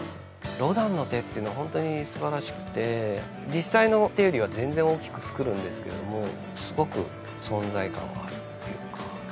ロダンの手っていうのはホントにすばらしくて実際の手よりは全然大きく作るんですけれどもすごく存在感があるっていうか。